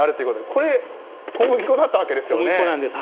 これ、小麦粉だったわけですね。